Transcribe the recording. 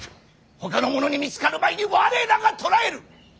ほかの者に見つかる前に我らが捕らえる！